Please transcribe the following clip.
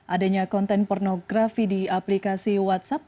adanya konten pornografi di aplikasi whatsapp